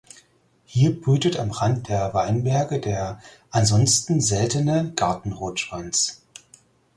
Hier brütet am Rand der Weinberge der ansonsten seltene Gartenrotschwanz.